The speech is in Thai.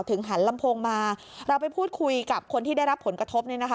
หันลำโพงมาเราไปพูดคุยกับคนที่ได้รับผลกระทบเนี่ยนะคะ